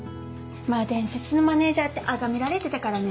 まぁ「伝説のマネジャー」ってあがめられてたからね。